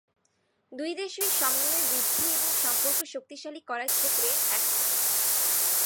দুই দেশই সমন্বয় বৃদ্ধি এবং সম্পর্ক শক্তিশালী করার ক্ষেত্রে একমত।